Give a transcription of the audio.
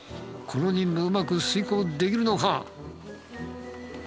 この任務うまく遂行できるのか？